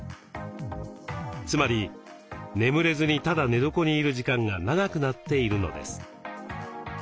つまり眠れずにただ寝床にいる時間が長くなっているのです。